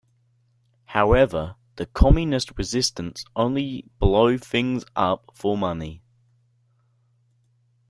However, the communist resistance only blow things up for money.